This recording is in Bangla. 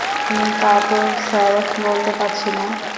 তা তো স্যার বলতে পারছি না।